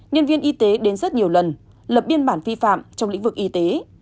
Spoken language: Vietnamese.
nhân viên y tế đến rất nhiều lần lập biên bản vi phạm trong lĩnh vực y tế